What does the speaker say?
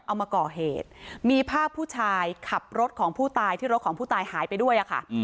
เอามาก่อเหตุมีภาพผู้ชายขับรถของผู้ตายที่รถของผู้ตายหายไปด้วยค่ะ